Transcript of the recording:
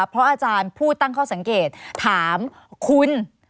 เพราะอาจารย์ผู้ตั้งข้อสังเกตถามคุณ